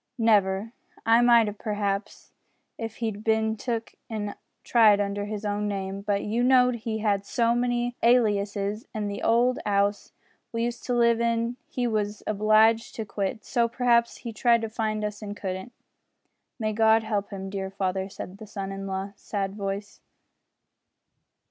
"Never. I might 'ave, p'r'aps, if he'd bin took an' tried under his own name, but you know he had so many aliases, an' the old 'ouse we used to live in we was obliged to quit, so p'r'aps he tried to find us and couldn't." "May God help him dear father!" said the son in a low sad voice.